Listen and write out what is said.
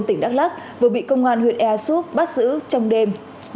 tỉnh đắk lắc vừa bị công an huyện ea súp bắt giữ trong đêm